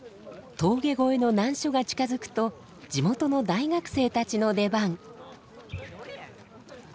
峠越えの難所が近づくと地元の大学生たちの出番。